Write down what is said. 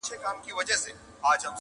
ټولوي رزق او روزي له لویو لارو؛